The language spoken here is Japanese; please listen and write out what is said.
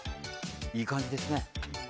いい感じですね。